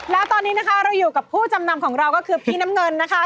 แล้วตอนนี้นะคะเราอยู่กับผู้จำนำของเราก็คือพี่น้ำเงินนะคะ